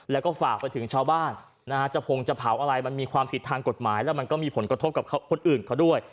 แล้วก็ฝากไปถึงชาวบ้านนะฮะจะพงจะเผาอะไรมันมีความผิดทางกฎหมายแล้วมันก็มีผลกระทบกับคนอื่นเขาด้วย